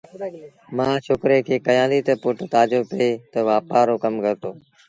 مآ ڇوڪري کي ڪهيآݩديٚ تا پُٽ تآجو پي تا وآپآر رو ڪم ڪرتو